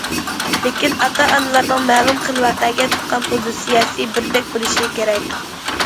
لېكىن ئاتا- ئانىلارنىڭ مەلۇم خىل ۋەقەگە تۇتقان پوزىتسىيەسى بىردەك بولۇشى كېرەك.